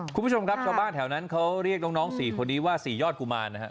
คุณผู้ชมครับชาวบ้านแถวนั้นเขาเรียกน้อง๔คนนี้ว่าสี่ยอดกุมารนะครับ